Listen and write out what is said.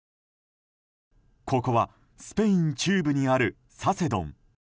ここはスペイン中部にあるサセドン。